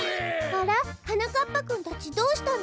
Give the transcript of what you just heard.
あら？はなかっぱくんたちどうしたの？